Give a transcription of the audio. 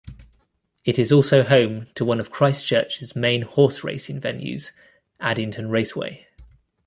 It is also home to one of Christchurch's main horse-racing venues, Addington Raceway.